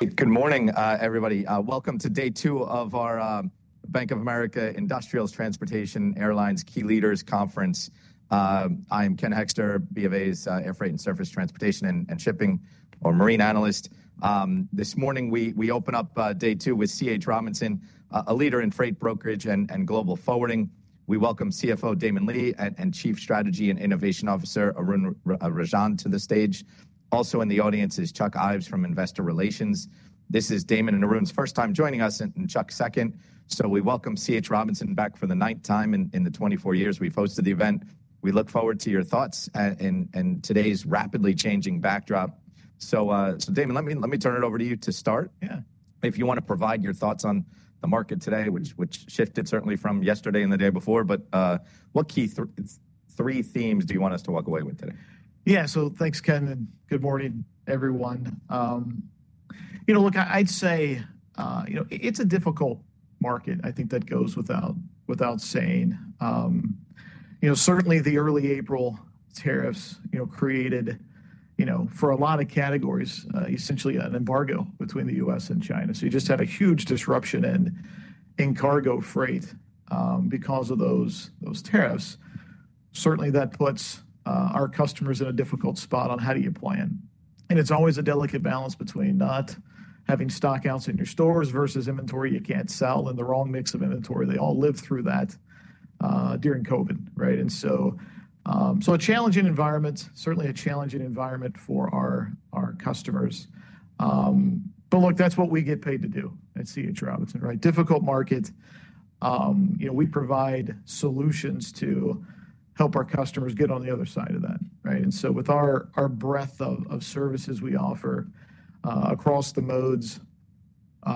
Good morning, everybody. Welcome to day two of our Bank of America Industrials, Transportation, Airlines, Key Leaders Conference. I am Ken Hoexter, BofA's Air Freight and Surface Transportation and Shipping, or Marine Analyst. This morning, we open up day two with C.H. Robinson, a leader in freight brokerage and global forwarding. We welcome CFO Damon Lee and Chief Strategy and Innovation Officer Arun Rajan to the stage. Also in the audience is Chuck Ives from investor relations. This is Damon and Arun's first time joining us, and Chuck's second. We welcome C.H. Robinson back for the ninth time in the 24 years we have hosted the event. We look forward to your thoughts in today's rapidly changing backdrop. Damon, let me turn it over to you to start. Yeah. If you want to provide your thoughts on the market today, which shifted certainly from yesterday and the day before, but what key three themes do you want us to walk away with today? Yeah, so thanks, Ken. And good morning, everyone. You know, look, I'd say, you know, it's a difficult market, I think that goes without saying. You know, certainly the early April tariffs created, you know, for a lot of categories, essentially an embargo between the U.S. and China. So you just had a huge disruption in cargo freight because of those tariffs. Certainly, that puts our customers in a difficult spot on how do you plan. And it's always a delicate balance between not having stock outs in your stores versus inventory you can't sell in the wrong mix of inventory. They all lived through that during COVID, right? And so a challenging environment, certainly a challenging environment for our customers. But look, that's what we get paid to do at C.H. Robinson, right? Difficult market. You know, we provide solutions to help our customers get on the other side of that, right? With our breadth of services we offer across the modes, you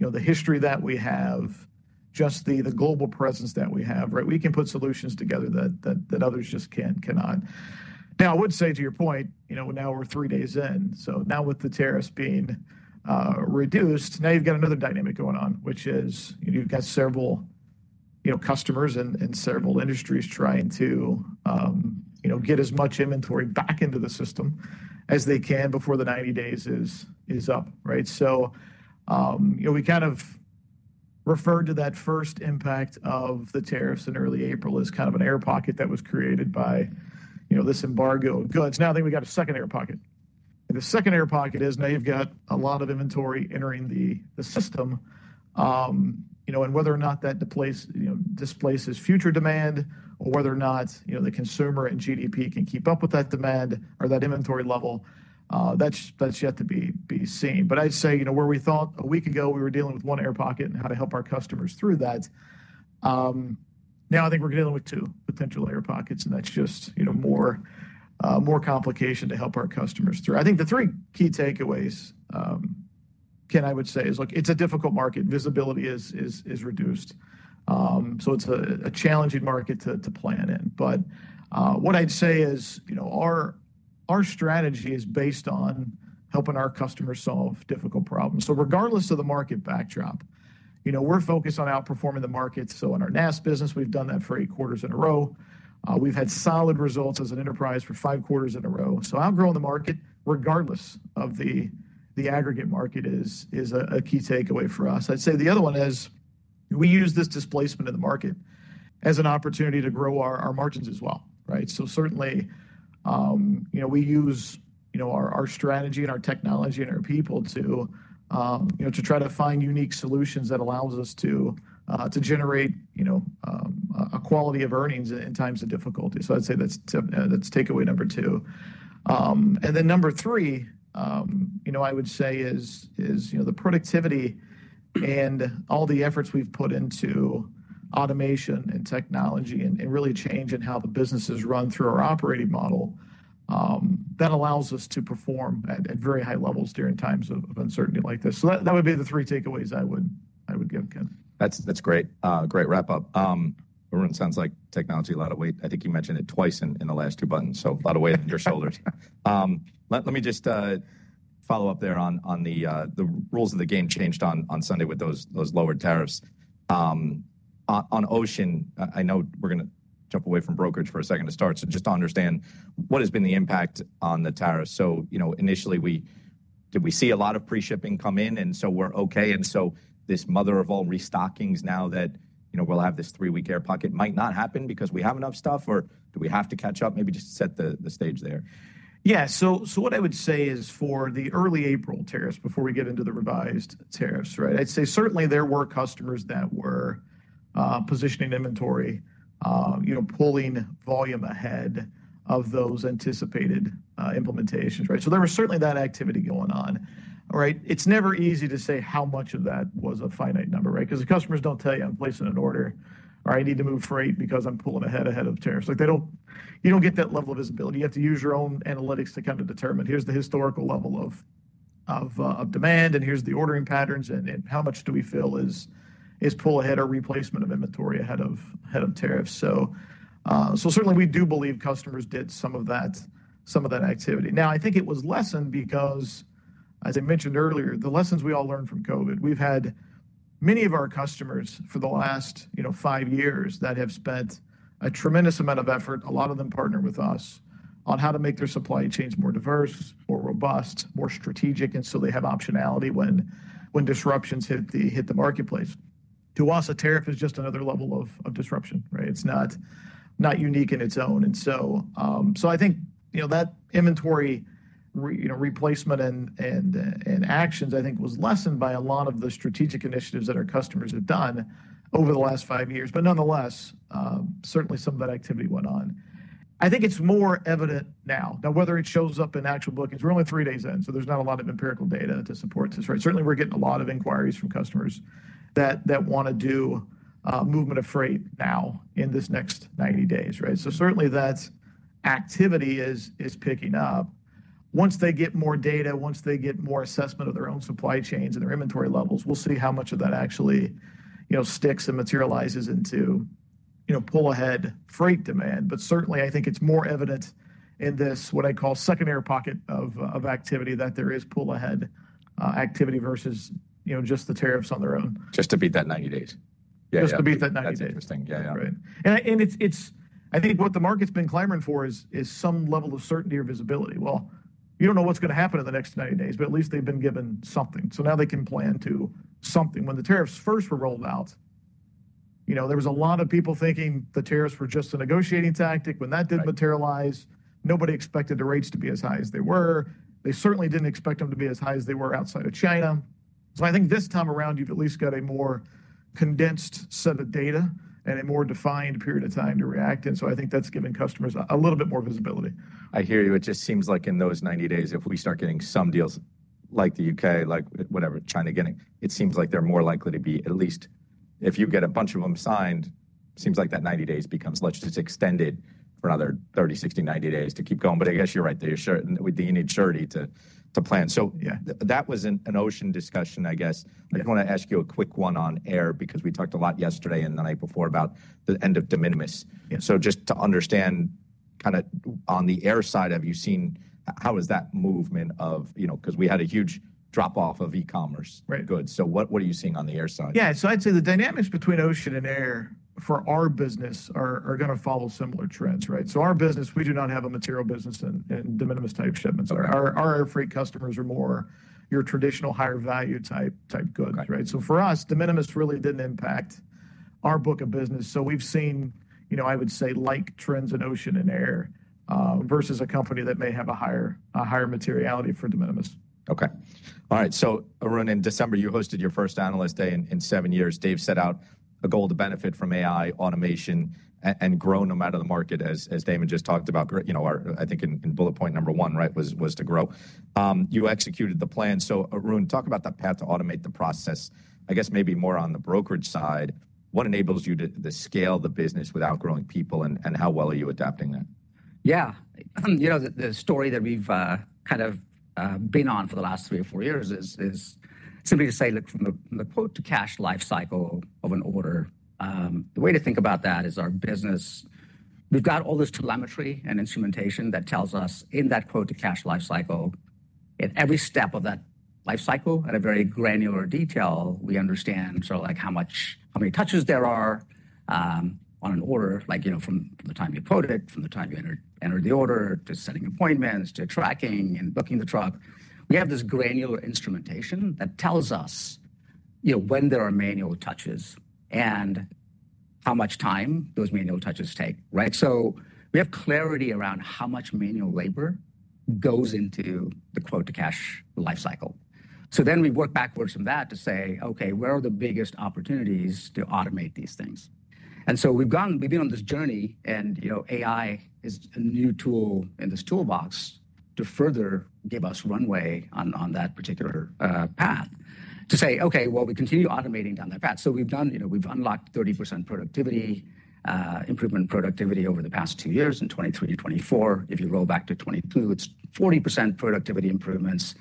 know, the history that we have, just the global presence that we have, right, we can put solutions together that others just cannot. I would say to your point, you know, now we're three days in. Now with the tariffs being reduced, now you've got another dynamic going on, which is you've got several customers and several industries trying to get as much inventory back into the system as they can before the 90 days is up, right? We kind of referred to that first impact of the tariffs in early April as kind of an air pocket that was created by this embargo of goods. Now I think we've got a second air pocket. The second air pocket is now you have got a lot of inventory entering the system. You know, and whether or not that displaces future demand, or whether or not the consumer and GDP can keep up with that demand or that inventory level, that is yet to be seen. I would say, you know, where we thought a week ago we were dealing with one air pocket and how to help our customers through that, now I think we are dealing with two potential air pockets, and that is just more complication to help our customers through. I think the three key takeaways, Ken, I would say, is look, it is a difficult market. Visibility is reduced. It is a challenging market to plan in. What I would say is our strategy is based on helping our customers solve difficult problems. Regardless of the market backdrop, you know, we're focused on outperforming the market. In our NAST business, we've done that for eight quarters in a row. We've had solid results as an enterprise for five quarters in a row. Outgrowing the market, regardless of the aggregate market, is a key takeaway for us. I'd say the other one is we use this displacement in the market as an opportunity to grow our margins as well, right? Certainly, you know, we use our strategy and our technology and our people to try to find unique solutions that allow us to generate a quality of earnings in times of difficulty. I'd say that's takeaway number two. Number three, you know, I would say is the productivity and all the efforts we've put into automation and technology and really change in how the businesses run through our operating model that allows us to perform at very high levels during times of uncertainty like this. That would be the three takeaways I would give, Ken. That's great. Great wrap-up. Arun, it sounds like technology, a lot of weight. I think you mentioned it twice in the last two buttons, so a lot of weight on your shoulders. Let me just follow up there on the rules of the game changed on Sunday with those lowered tariffs. On ocean, I know we're going to jump away from brokerage for a second to start. Just to understand, what has been the impact on the tariffs? Initially, did we see a lot of pre-shipping come in? We're okay. This mother of all restockings now that we'll have this three-week air pocket might not happen because we have enough stuff? Or do we have to catch up? Maybe just set the stage there. Yeah, so what I would say is for the early April tariffs, before we get into the revised tariffs, right, I'd say certainly there were customers that were positioning inventory, pulling volume ahead of those anticipated implementations, right? There was certainly that activity going on, right? It's never easy to say how much of that was a finite number, right? Because the customers don't tell you, I'm placing an order, or I need to move freight because I'm pulling ahead of tariffs. You don't get that level of visibility. You have to use your own analytics to kind of determine, here's the historical level of demand, and here's the ordering patterns, and how much do we feel is pull ahead or replacement of inventory ahead of tariffs. Certainly, we do believe customers did some of that activity. Now, I think it was lessened because, as I mentioned earlier, the lessons we all learned from COVID, we've had many of our customers for the last five years that have spent a tremendous amount of effort, a lot of them partnered with us, on how to make their supply chains more diverse, more robust, more strategic, and so they have optionality when disruptions hit the marketplace. To us, a tariff is just another level of disruption, right? It's not unique in its own. I think that inventory replacement and actions, I think, was lessened by a lot of the strategic initiatives that our customers have done over the last five years. Nonetheless, certainly some of that activity went on. I think it's more evident now. Now, whether it shows up in actual bookings, we're only three days in, so there's not a lot of empirical data to support this, right? Certainly, we're getting a lot of inquiries from customers that want to do movement of freight now in this next 90 days, right? Certainly that activity is picking up. Once they get more data, once they get more assessment of their own supply chains and their inventory levels, we'll see how much of that actually sticks and materializes into pull ahead freight demand. Certainly, I think it's more evident in this, what I call secondary pocket of activity, that there is pull ahead activity versus just the tariffs on their own. Just to beat that 90 days. Just to beat that 90 days. That's interesting. Yeah, yeah. I think what the market's been clamoring for is some level of certainty or visibility. You do not know what's going to happen in the next 90 days, but at least they've been given something. Now they can plan to something. When the tariffs first were rolled out, there were a lot of people thinking the tariffs were just a negotiating tactic. When that did materialize, nobody expected the rates to be as high as they were. They certainly did not expect them to be as high as they were outside of China. I think this time around, you've at least got a more condensed set of data and a more defined period of time to react. I think that's given customers a little bit more visibility. I hear you. It just seems like in those 90 days, if we start getting some deals like the U.K., like whatever China is getting, it seems like they are more likely to be at least, if you get a bunch of them signed, it seems like that 90 days becomes let's just extend it for another 30, 60, 90 days to keep going. I guess you are right there. You are certainly with the inertia to plan. That was an ocean discussion, I guess. I just want to ask you a quick one on air, because we talked a lot yesterday and the night before about the end of de minimis. Just to understand kind of on the air side, have you seen how is that movement of, because we had a huge drop-off of e-commerce goods. What are you seeing on the air side? Yeah, so I'd say the dynamics between ocean and air for our business are going to follow similar trends, right? Our business, we do not have a material business in de minimis type shipments. Our air freight customers are more your traditional higher value type goods, right? For us, de minimis really did not impact our book of business. We've seen, I would say, like trends in ocean and air versus a company that may have a higher materiality for de minimis. Okay. All right. So Arun, in December, you hosted your first analyst day in seven years. Dave set out a goal to benefit from AI, automation, and grow no matter the market, as Damon just talked about. I think in bullet point number one, right, was to grow. You executed the plan. So Arun, talk about that path to automate the process. I guess maybe more on the brokerage side, what enables you to scale the business without growing people, and how well are you adapting that? Yeah. You know, the story that we've kind of been on for the last three or four years is simply to say, look, from the quote to cash lifecycle of an order, the way to think about that is our business, we've got all this telemetry and instrumentation that tells us in that quote to cash lifecycle, at every step of that lifecycle at a very granular detail, we understand sort of like how many touches there are on an order, like from the time you quote it, from the time you enter the order, to setting appointments, to tracking and booking the truck. We have this granular instrumentation that tells us when there are manual touches and how much time those manual touches take, right? You know, we have clarity around how much manual labor goes into the quote to cash lifecycle. Then we work backwards from that to say, okay, where are the biggest opportunities to automate these things? We have been on this journey, and AI is a new tool in this toolbox to further give us runway on that particular path to say, okay, we continue automating down that path. We have unlocked 30% productivity improvement over the past two years in 2023 to 2024. If you roll back to 2022, it is 40% productivity improvements.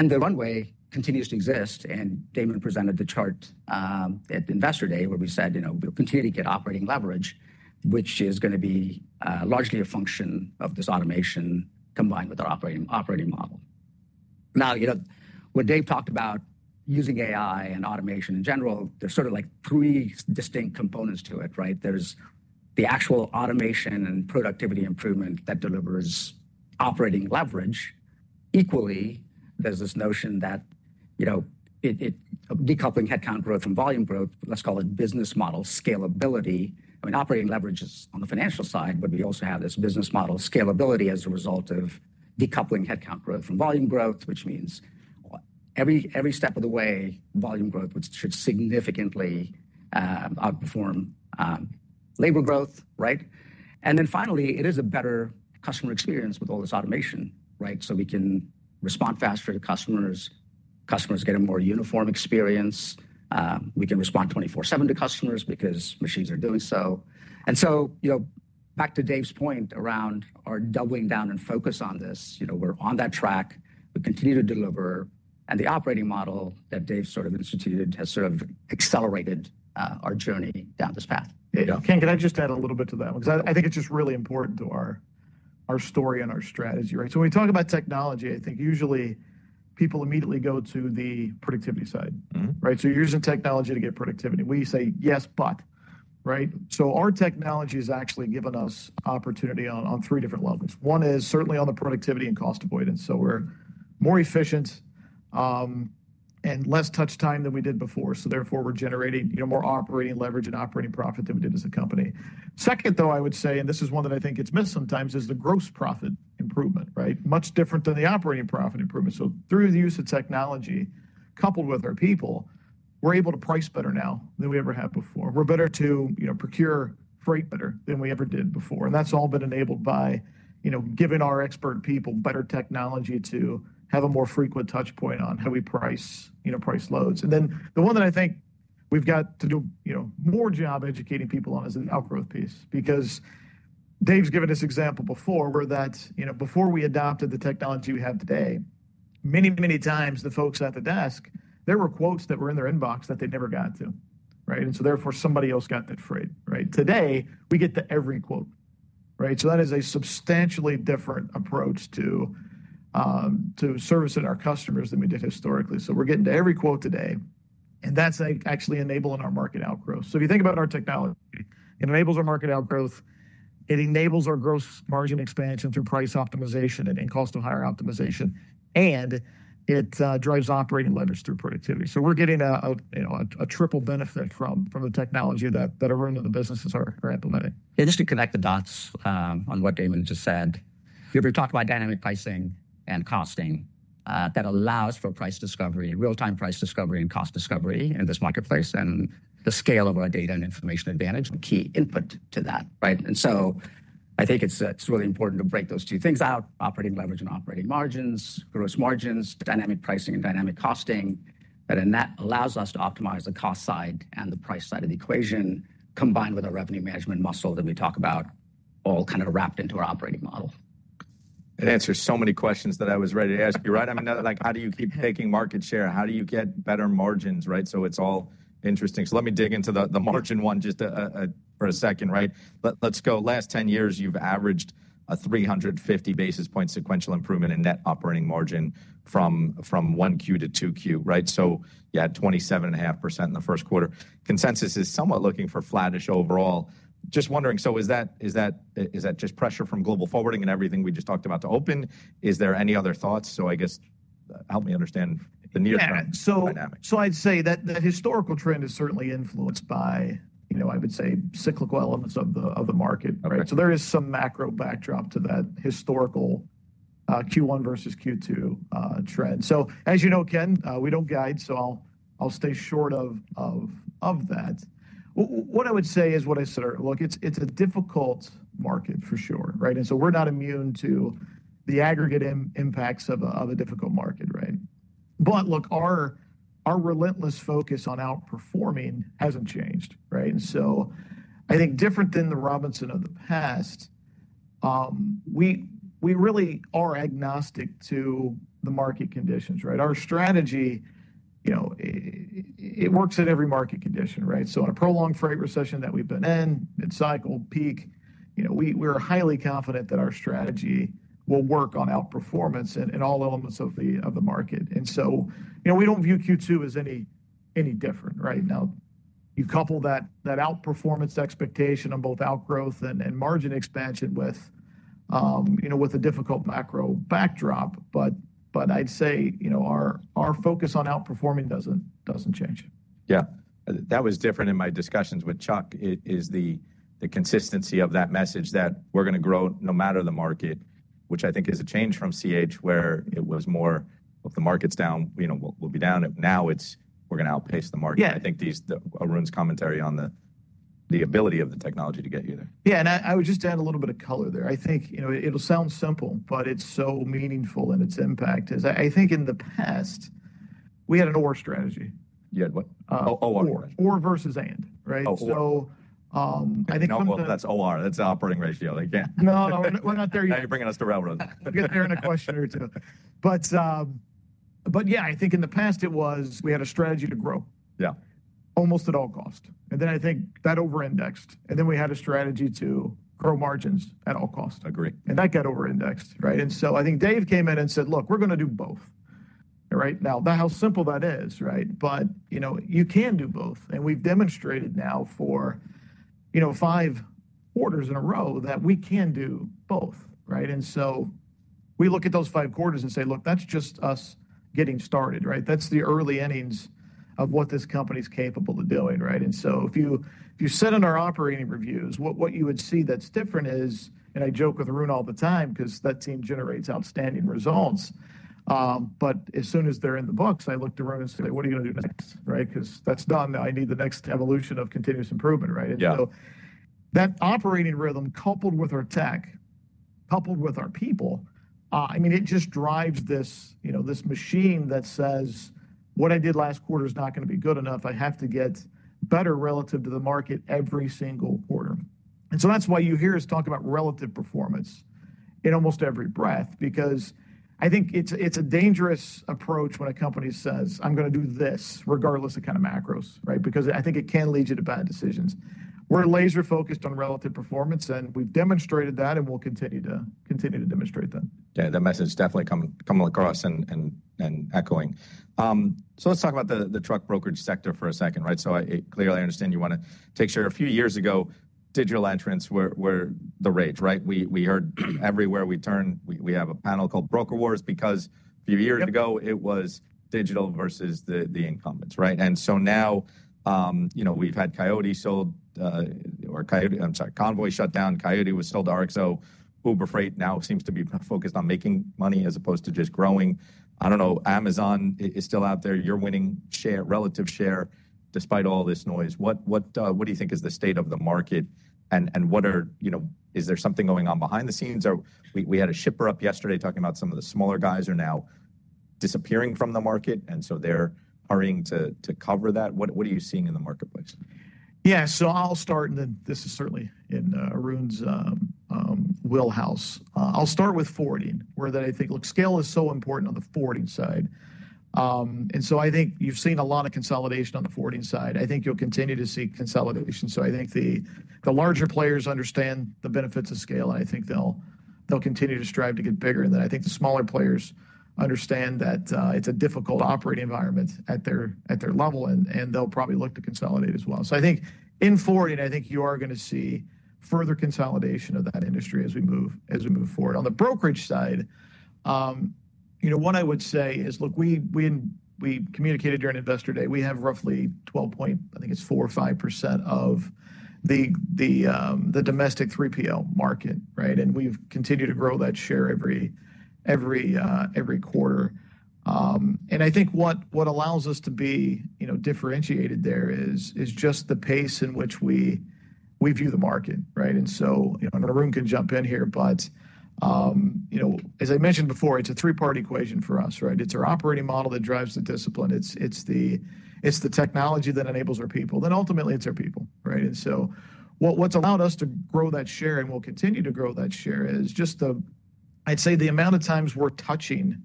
The runway continues to exist. Damon presented the chart at investor day where we said, you know, we will continue to get operating leverage, which is going to be largely a function of this automation combined with our operating model. Now, you know, what Dave talked about using AI and automation in general, there are sort of like three distinct components to it, right? There's the actual automation and productivity improvement that delivers operating leverage. Equally, there's this notion that decoupling headcount growth from volume growth, let's call it business model scalability. I mean, operating leverage is on the financial side, but we also have this business model scalability as a result of decoupling headcount growth from volume growth, which means every step of the way, volume growth should significantly outperform labor growth, right? Finally, it is a better customer experience with all this automation, right? We can respond faster to customers. Customers get a more uniform experience. We can respond 24/7 to customers because machines are doing so. Back to Dave's point around our doubling down and focus on this, we're on that track. We continue to deliver. The operating model that Dave sort of instituted has sort of accelerated our journey down this path. Ken, can I just add a little bit to that one? Because I think it's just really important to our story and our strategy, right? When we talk about technology, I think usually people immediately go to the productivity side, right? You're using technology to get productivity. We say, yes, but, right? Our technology has actually given us opportunity on three different levels. One is certainly on the productivity and cost avoidance. We're more efficient and less touch time than we did before. Therefore, we're generating more operating leverage and operating profit than we did as a company. Second, though, I would say, and this is one that I think gets missed sometimes, is the gross profit improvement, right? Much different than the operating profit improvement. Through the use of technology, coupled with our people, we're able to price better now than we ever had before. We're better to procure freight better than we ever did before. That has all been enabled by giving our expert people better technology to have a more frequent touchpoint on how we price loads. The one that I think we've got to do more job educating people on is the outgrowth piece. Dave's given this example before, where before we adopted the technology we have today, many, many times the folks at the desk, there were quotes that were in their inbox that they never got to, right? Therefore, somebody else got that freight, right? Today, we get to every quote, right? That is a substantially different approach to service our customers than we did historically. We're getting to every quote today, and that's actually enabling our market outgrowth. If you think about our technology, it enables our market outgrowth. It enables our gross margin expansion through price optimization and cost of hire optimization. It drives operating leverage through productivity. We're getting a triple benefit from the technology that Arun and the businesses are implementing. Yeah, just to connect the dots on what Damon just said, we've talked about dynamic pricing and costing that allows for price discovery, real-time price discovery and cost discovery in this marketplace and the scale of our data and information advantage, key input to that, right? I think it's really important to break those two things out: operating leverage and operating margins, gross margins, dynamic pricing and dynamic costing, that allows us to optimize the cost side and the price side of the equation, combined with our revenue management muscle that we talk about, all kind of wrapped into our operating model. It answers so many questions that I was ready to ask you, right? I mean, how do you keep taking market share? How do you get better margins, right? It's all interesting. Let me dig into the margin one just for a second, right? Let's go. Last 10 years, you've averaged a 350 basis point sequential improvement in net operating margin from 1Q to 2Q, right? You had 27.5% in the first quarter. Consensus is somewhat looking for flattish overall. Just wondering, is that just pressure from global forwarding and everything we just talked about to open? Is there any other thoughts? I guess help me understand the near-term dynamic. I'd say that the historical trend is certainly influenced by, I would say, cyclical elements of the market, right? There is some macro backdrop to that historical Q1 versus Q2 trend. As you know, Ken, we don't guide, so I'll stay short of that. What I would say is what I said, look, it's a difficult market for sure, right? We're not immune to the aggregate impacts of a difficult market, right? Look, our relentless focus on outperforming hasn't changed, right? I think different than the Robinson of the past, we really are agnostic to the market conditions, right? Our strategy, it works at every market condition, right? In a prolonged freight recession that we've been in, mid-cycle, peak, we're highly confident that our strategy will work on outperformance in all elements of the market. We do not view Q2 as any different, right? You couple that outperformance expectation on both outgrowth and margin expansion with a difficult macro backdrop, but I would say our focus on outperforming does not change. Yeah. That was different in my discussions with Chuck. It is the consistency of that message that we're going to grow no matter the market, which I think is a change from C.H. where it was more of the market's down, we'll be down. Now it's we're going to outpace the market. I think Arun's commentary on the ability of the technology to get you there. Yeah, and I would just add a little bit of color there. I think it'll sound simple, but it's so meaningful and its impact is. I think in the past, we had an "or" strategy. You had what? OR? or versus and, right? So I think. No, that's OR. That's operating ratio. No, we're not there yet. Now you're bringing us to relevance. Get there in a question or two. Yeah, I think in the past, it was we had a strategy to grow almost at all cost. I think that over-indexed. We had a strategy to grow margins at all cost. Agree. That got over-indexed, right? I think Dave came in and said, look, we're going to do both, right? How simple that is, right? You can do both. We have demonstrated now for five quarters in a row that we can do both, right? We look at those five quarters and say, look, that's just us getting started, right? That's the early innings of what this company's capable of doing, right? If you sit in our operating reviews, what you would see that's different is, and I joke with Arun all the time, because that team generates outstanding results. As soon as they're in the books, I looked at Arun and said, what are you going to do next, right? That's done. I need the next evolution of continuous improvement, right? That operating rhythm, coupled with our tech, coupled with our people, I mean, it just drives this machine that says, what I did last quarter is not going to be good enough. I have to get better relative to the market every single quarter. That is why you hear us talk about relative performance in almost every breath, because I think it is a dangerous approach when a company says, I am going to do this regardless of kind of macros, right? Because I think it can lead you to bad decisions. We are laser-focused on relative performance, and we have demonstrated that, and we will continue to demonstrate that. Yeah, that message is definitely coming across and echoing. Let's talk about the truck brokerage sector for a second, right? I clearly understand you want to take sure a few years ago, digital entrants were the rage, right? We heard everywhere we turn, we have a panel called Broker Wars because a few years ago, it was digital versus the incumbents, right? Now we have had Coyote sold, or Coyote, I am sorry, Convoy shut down. Coyote was sold to RXO. Uber Freight now seems to be focused on making money as opposed to just growing. I do not know, Amazon is still out there. You are winning relative share despite all this noise. What do you think is the state of the market? Is there something going on behind the scenes? We had a shipper up yesterday talking about some of the smaller guys are now disappearing from the market, and so they're hurrying to cover that. What are you seeing in the marketplace? Yeah, so I'll start, and this is certainly in Arun's wheelhouse. I'll start with forwarding, where I think, look, scale is so important on the forwarding side. I think you've seen a lot of consolidation on the forwarding side. I think you'll continue to see consolidation. I think the larger players understand the benefits of scale, and I think they'll continue to strive to get bigger. I think the smaller players understand that it's a difficult operating environment at their level, and they'll probably look to consolidate as well. I think in forwarding, you are going to see further consolidation of that industry as we move forward. On the brokerage side, what I would say is, look, we communicated during investor day, we have roughly 12.4% or 12.5% of the domestic 3PL market, right? We have continued to grow that share every quarter. I think what allows us to be differentiated there is just the pace in which we view the market, right? Arun can jump in here, but as I mentioned before, it is a three-party equation for us, right? It is our operating model that drives the discipline. It is the technology that enables our people. Then ultimately, it is our people, right? What has allowed us to grow that share and will continue to grow that share is just the, I would say, the amount of times we are touching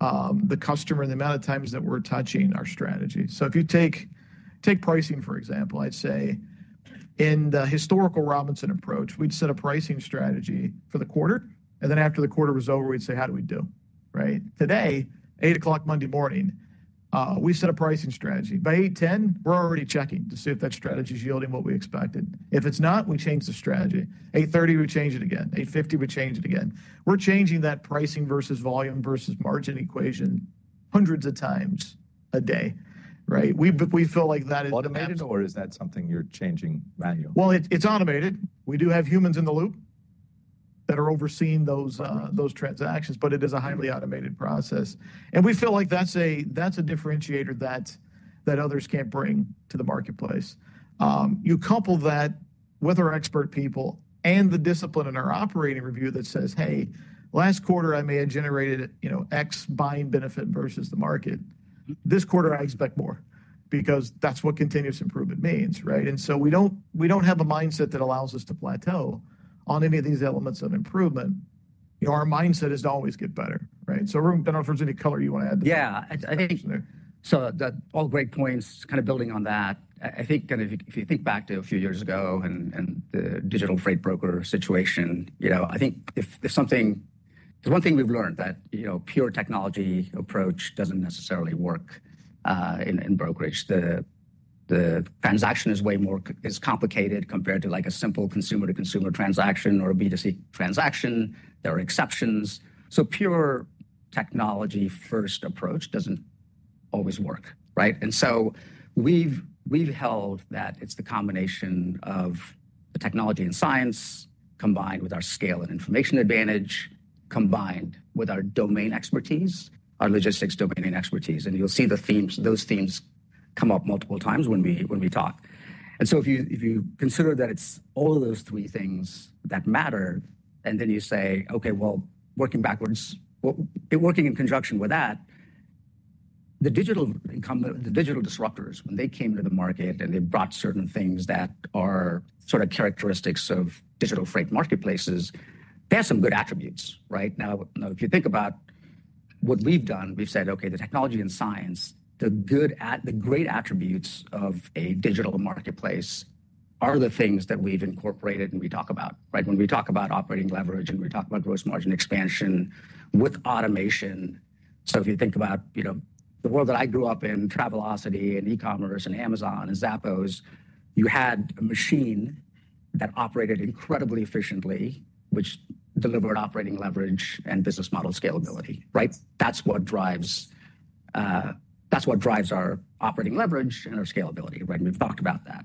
the customer and the amount of times that we are touching our strategy. If you take pricing, for example, I would say in the historical Robinson approach, we would set a pricing strategy for the quarter, and then after the quarter was over, we would say, how did we do, right? Today, 8:00 A.M. Monday morning, we set a pricing strategy. By 8:10 A.M., we're already checking to see if that strategy is yielding what we expected. If it's not, we change the strategy. 8:30 A.M., we change it again. 8:50 A.M., we change it again. We're changing that pricing versus volume versus margin equation hundreds of times a day, right? We feel like that is automated. Automated or is that something you're changing manually? It is automated. We do have humans in the loop that are overseeing those transactions, but it is a highly automated process. We feel like that is a differentiator that others cannot bring to the marketplace. You couple that with our expert people and the discipline in our operating review that says, hey, last quarter, I may have generated X buying benefit versus the market. This quarter, I expect more because that is what continuous improvement means, right? We do not have a mindset that allows us to plateau on any of these elements of improvement. Our mindset is to always get better, right? Arun, I do not know if there is any color you want to add to that. Yeah, I think so, all great points. Kind of building on that, I think if you think back to a few years ago and the digital freight broker situation, I think if there's one thing we've learned, that pure technology approach doesn't necessarily work in brokerage. The transaction is way more complicated compared to like a simple consumer-to-consumer transaction or a B2C transaction. There are exceptions. Pure technology-first approach doesn't always work, right? We've held that it's the combination of the technology and science combined with our scale and information advantage combined with our domain expertise, our logistics domain expertise. You'll see those themes come up multiple times when we talk. If you consider that it is all of those three things that matter, and then you say, okay, working backwards, working in conjunction with that, the digital disruptors, when they came to the market and they brought certain things that are sort of characteristics of digital freight marketplaces, they have some good attributes, right? Now, if you think about what we have done, we have said, okay, the technology and science, the great attributes of a digital marketplace are the things that we have incorporated and we talk about, right? When we talk about operating leverage and we talk about gross margin expansion with automation. If you think about the world that I grew up in, Travelocity and e-commerce and Amazon and Zappos, you had a machine that operated incredibly efficiently, which delivered operating leverage and business model scalability, right? That is what drives our operating leverage and our scalability, right? We have talked about that.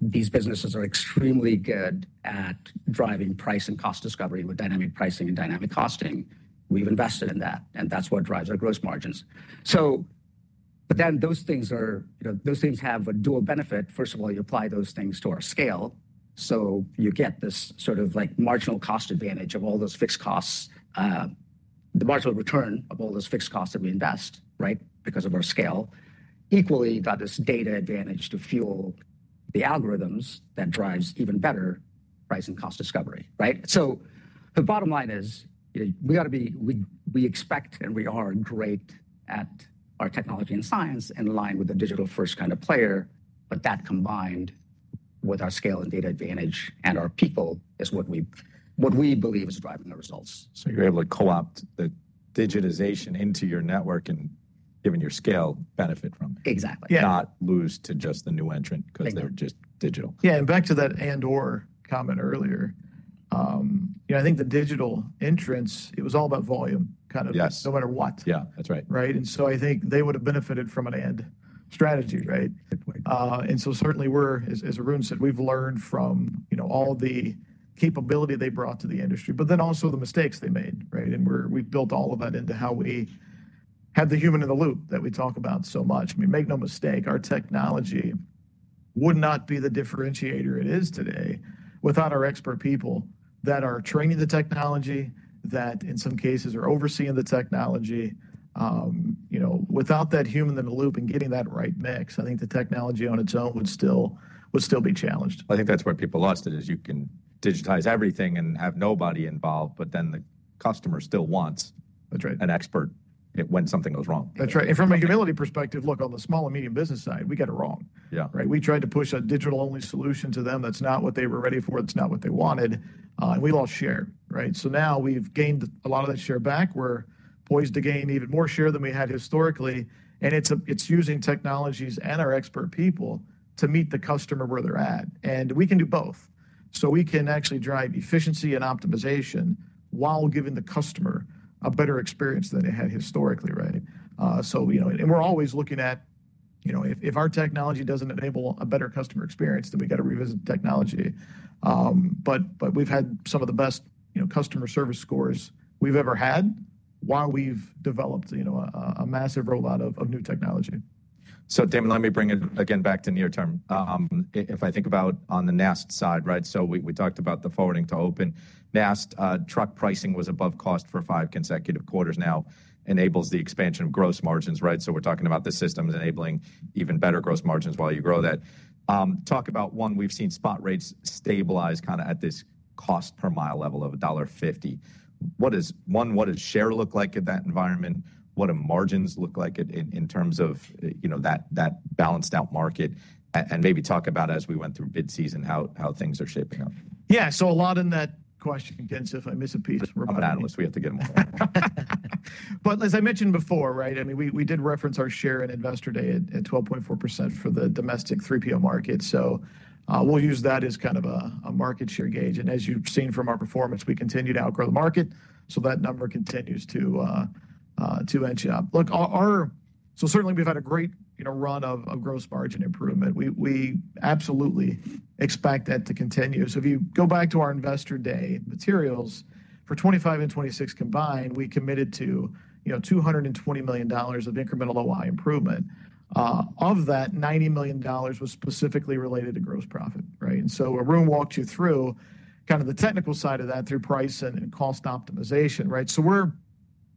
These businesses are extremely good at driving price and cost discovery with dynamic pricing and dynamic costing. We have invested in that, and that is what drives our gross margins. Those things have a dual benefit. First of all, you apply those things to our scale. You get this sort of marginal cost advantage of all those fixed costs, the marginal return of all those fixed costs that we invest, right? Because of our scale. Equally, you have this data advantage to fuel the algorithms that drives even better price and cost discovery, right? The bottom line is we expect and we are great at our technology and science in line with the digital-first kind of player, but that combined with our scale and data advantage and our people is what we believe is driving the results. You're able to co-opt the digitization into your network and, given your scale, benefit from it. Exactly. Not lose to just the new entrant because they're just digital. Yeah, and back to that and/or comment earlier, I think the digital entrants, it was all about volume, kind of no matter what. Yeah, that's right. Right? I think they would have benefited from an end strategy, right? Certainly, as Arun said, we've learned from all the capability they brought to the industry, but then also the mistakes they made, right? We've built all of that into how we have the human in the loop that we talk about so much. I mean, make no mistake, our technology would not be the differentiator it is today without our expert people that are training the technology, that in some cases are overseeing the technology. Without that human in the loop and getting that right mix, I think the technology on its own would still be challenged. I think that's where people lost it, is you can digitize everything and have nobody involved, but then the customer still wants an expert when something goes wrong. That's right. From a humility perspective, look, on the small and medium business side, we got it wrong, right? We tried to push a digital-only solution to them. That's not what they were ready for, that's not what they wanted, and we lost share, right? Now we've gained a lot of that share back. We're poised to gain even more share than we had historically. It's using technologies and our expert people to meet the customer where they're at. We can do both. We can actually drive efficiency and optimization while giving the customer a better experience than they had historically, right? We're always looking at if our technology doesn't enable a better customer experience, then we got to revisit technology. We've had some of the best customer service scores we've ever had while we've developed a massive rollout of new technology. Damon, let me bring it again back to near-term. If I think about on the NAST side, right? We talked about the forwarding to open. NAST truck pricing was above cost for five consecutive quarters. Now enables the expansion of gross margins, right? We are talking about the systems enabling even better gross margins while you grow that. Talk about one, we have seen spot rates stabilize kind of at this cost per mile level of $1.50. One, what does share look like in that environment? What do margins look like in terms of that balanced out market? Maybe talk about as we went through bid season, how things are shaping up? Yeah, so a lot in that question, Ken. I missed a piece. I'm an analyst. We have to get them all. As I mentioned before, right? I mean, we did reference our share in investor day at 12.4% for the domestic 3PL market. We will use that as kind of a market share gauge. As you have seen from our performance, we continue to outgrow the market. That number continues to inch up. Look, certainly we have had a great run of gross margin improvement. We absolutely expect that to continue. If you go back to our investor day materials, for 2025 and 2026 combined, we committed to $220 million of incremental OI improvement. Of that, $90 million was specifically related to gross profit, right? Arun walked you through kind of the technical side of that through price and cost optimization, right? We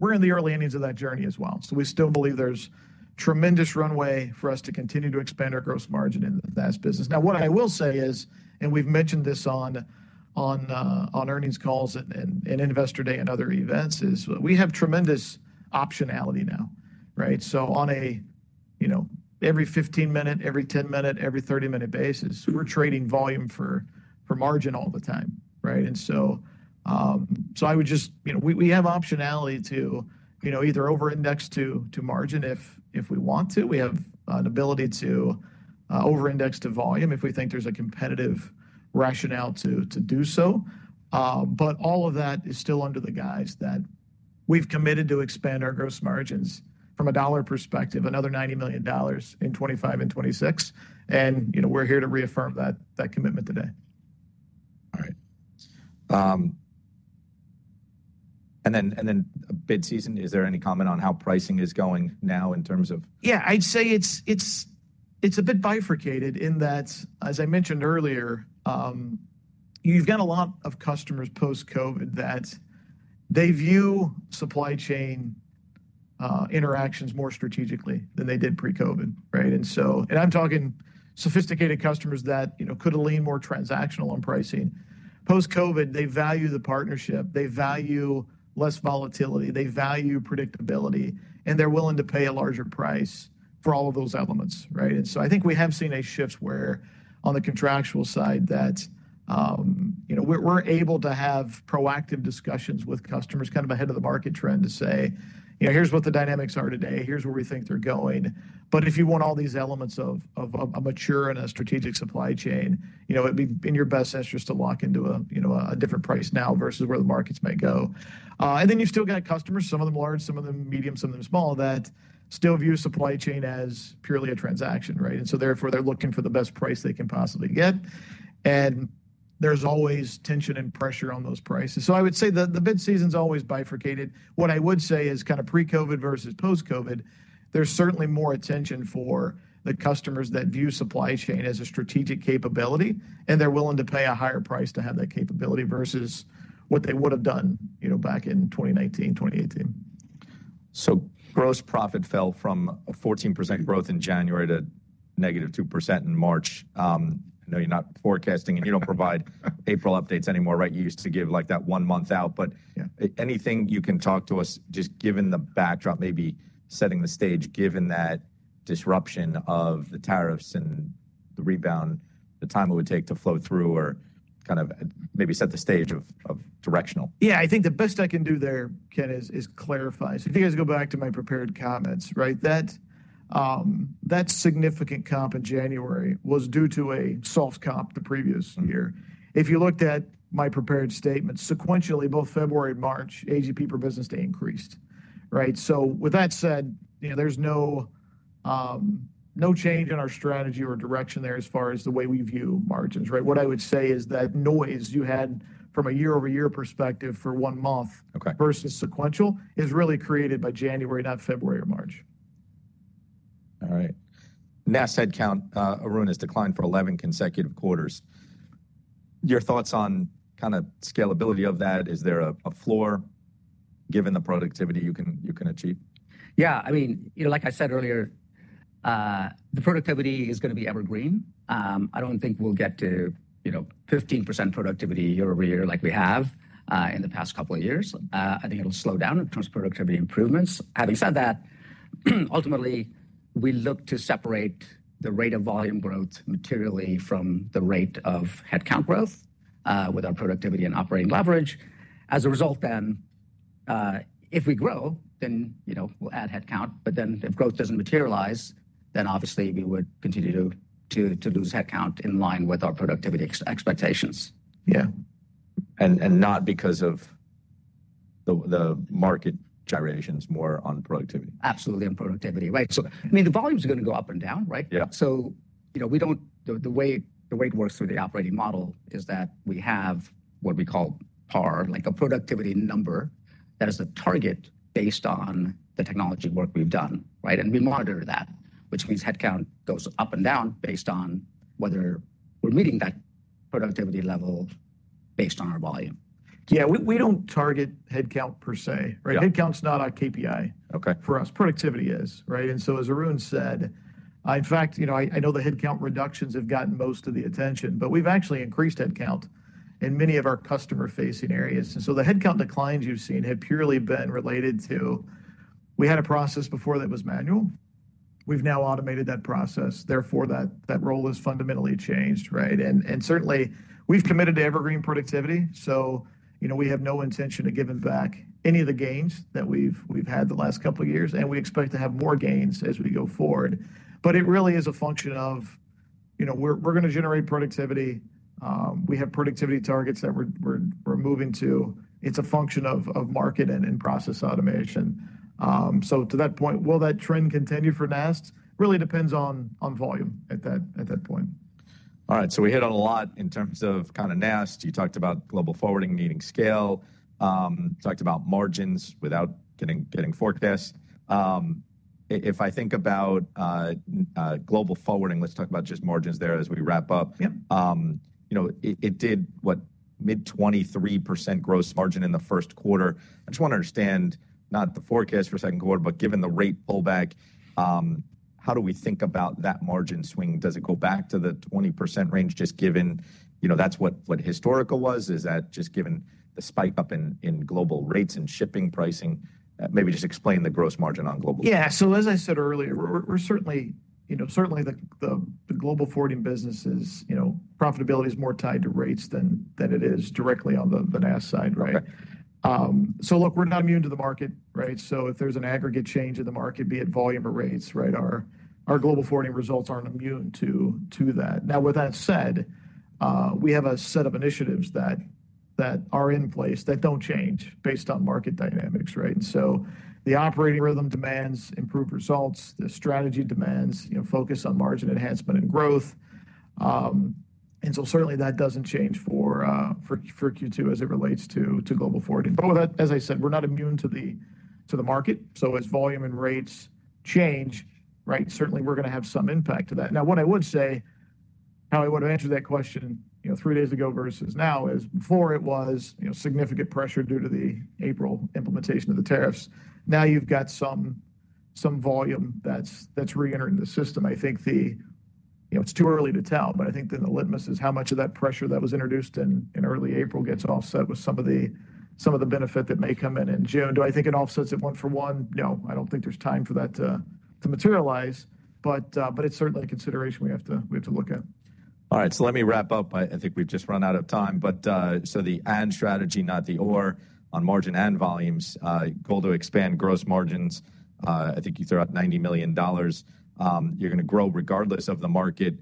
are in the early innings of that journey as well. We still believe there is tremendous runway for us to continue to expand our gross margin in that business. Now, what I will say is, and we have mentioned this on earnings calls and investor day and other events, we have tremendous optionality now, right? On an every 15-minute, every 10-minute, every 30-minute basis, we are trading volume for margin all the time, right? I would just, we have optionality to either over-index to margin if we want to. We have an ability to over-index to volume if we think there is a competitive rationale to do so. All of that is still under the guise that we have committed to expand our gross margins from a dollar perspective, another $90 million in 2025 and 2026. We are here to reaffirm that commitment today. All right. And then bid season, is there any comment on how pricing is going now in terms of? Yeah, I'd say it's a bit bifurcated in that, as I mentioned earlier, you've got a lot of customers post-COVID that they view supply chain interactions more strategically than they did pre-COVID, right? I'm talking sophisticated customers that could lean more transactional on pricing. Post-COVID, they value the partnership. They value less volatility. They value predictability. They're willing to pay a larger price for all of those elements, right? I think we have seen a shift where on the contractual side that we're able to have proactive discussions with customers kind of ahead of the market trend to say, here's what the dynamics are today. Here's where we think they're going. If you want all these elements of a mature and a strategic supply chain, it'd be in your best interest to lock into a different price now versus where the markets might go. You still have customers, some of them large, some of them medium, some of them small, that still view supply chain as purely a transaction, right? Therefore, they are looking for the best price they can possibly get. There is always tension and pressure on those prices. I would say the bid season is always bifurcated. What I would say is kind of pre-COVID versus post-COVID, there is certainly more attention for the customers that view supply chain as a strategic capability, and they are willing to pay a higher price to have that capability versus what they would have done back in 2019, 2018. Gross profit fell from a 14% growth in January to negative 2% in March. I know you're not forecasting and you don't provide April updates anymore, right? You used to give like that one month out. Anything you can talk to us, just given the backdrop, maybe setting the stage, given that disruption of the tariffs and the rebound, the time it would take to flow through or kind of maybe set the stage of directional. Yeah, I think the best I can do there, Ken, is clarify. If you guys go back to my prepared comments, right? That significant comp in January was due to a soft comp the previous year. If you looked at my prepared statement, sequentially, both February and March, AGP per business day increased, right? With that said, there's no change in our strategy or direction there as far as the way we view margins, right? What I would say is that noise you had from a year-over-year perspective for one month versus sequential is really created by January, not February or March. All right. NAST count, Arun, has declined for 11 consecutive quarters. Your thoughts on kind of scalability of that? Is there a floor given the productivity you can achieve? Yeah, I mean, like I said earlier, the productivity is going to be evergreen. I do not think we'll get to 15% productivity year-over-year like we have in the past couple of years. I think it'll slow down in terms of productivity improvements. Having said that, ultimately, we look to separate the rate of volume growth materially from the rate of headcount growth with our productivity and operating leverage. As a result, if we grow, then we'll add headcount. If growth does not materialize, then obviously we would continue to lose headcount in line with our productivity expectations. Yeah. Not because of the market gyrations, more on productivity. Absolutely on productivity, right? I mean, the volume is going to go up and down, right? The way it works through the operating model is that we have what we call PAR, like a productivity number that is a target based on the technology work we have done, right? We monitor that, which means headcount goes up and down based on whether we are meeting that productivity level based on our volume. Yeah, we do not target headcount per se, right? Headcount is not our KPI for us. Productivity is, right? As Arun said, in fact, I know the headcount reductions have gotten most of the attention, but we have actually increased headcount in many of our customer-facing areas. The headcount declines you have seen have purely been related to we had a process before that was manual. We have now automated that process. Therefore, that role has fundamentally changed, right? Certainly, we have committed to evergreen productivity. We have no intention of giving back any of the gains that we have had the last couple of years. We expect to have more gains as we go forward. It really is a function of we are going to generate productivity. We have productivity targets that we are moving to. It is a function of market and process automation. To that point, will that trend continue for NAST? Really depends on volume at that point. All right. So we hit on a lot in terms of kind of NAST. You talked about global forwarding needing scale. Talked about margins without getting forecast. If I think about global forwarding, let's talk about just margins there as we wrap up. It did what, mid-23% gross margin in the first quarter. I just want to understand not the forecast for second quarter, but given the rate pullback, how do we think about that margin swing? Does it go back to the 20% range just given that's what historical was? Is that just given the spike up in global rates and shipping pricing? Maybe just explain the gross margin on global margins. Yeah. As I said earlier, certainly the global forwarding business's profitability is more tied to rates than it is directly on the NAST side, right? Look, we're not immune to the market, right? If there's an aggregate change in the market, be it volume or rates, right? Our global forwarding results aren't immune to that. Now, with that said, we have a set of initiatives that are in place that do not change based on market dynamics, right? The operating rhythm demands improved results. The strategy demands focus on margin enhancement and growth. Certainly that does not change for Q2 as it relates to global forwarding. As I said, we're not immune to the market. As volume and rates change, right, certainly we're going to have some impact to that. Now, what I would say, how I would have answered that question three days ago versus now is before it was significant pressure due to the April implementation of the tariffs. Now you have got some volume that is re-entering the system. I think it is too early to tell, but I think the litmus is how much of that pressure that was introduced in early April gets offset with some of the benefit that may come in in June. Do I think it offsets it one for one? No, I do not think there is time for that to materialize. It is certainly a consideration we have to look at. All right. Let me wrap-up. I think we've just run out of time. The and strategy, not the or on margin and volumes, goal to expand gross margins. I think you threw out $90 million. You're going to grow regardless of the market,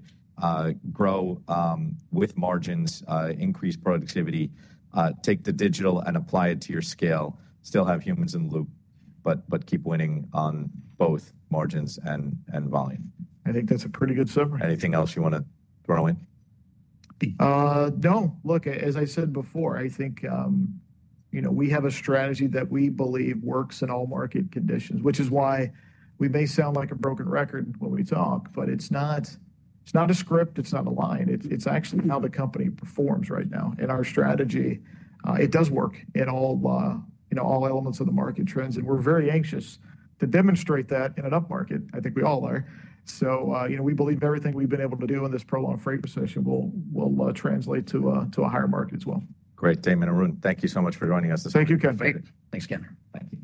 grow with margins, increase productivity, take the digital and apply it to your scale, still have humans in the loop, but keep winning on both margins and volume. I think that's a pretty good summary. Anything else you want to throw in? No. Look, as I said before, I think we have a strategy that we believe works in all market conditions, which is why we may sound like a broken record when we talk, but it's not a script. It's not a line. It's actually how the company performs right now. And our strategy, it does work in all elements of the market trends. We're very anxious to demonstrate that in an up market. I think we all are. We believe everything we've been able to do in this prolonged freight recession will translate to a higher market as well. Great. Damon, Arun, thank you so much for joining us this morning. Thank you, Ken. Thanks, Ken. Thanks.